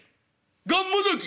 「『がんもどき』」。